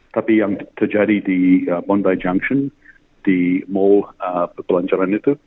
tapi yang terjadi di bondi junction di mall pelancaran itu